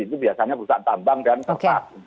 itu biasanya pusat tambang dan sosok